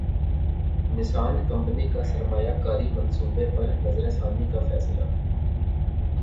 نسان company کا سرمایہ کاری منصوبے پر نظرثانی کا فیصلہ